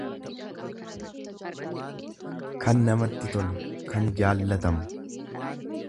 kan namatti tolu, kan jaallatamu.